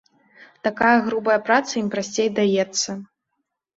Такая грубая праца ім прасцей даецца.